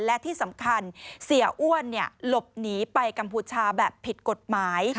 และที่สำคัญเสียอ้วนหลบหนีไปกัมพูชาแบบผิดกฎหมาย